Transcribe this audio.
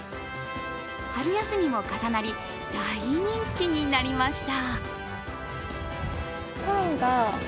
春休みも重なり大人気になりました。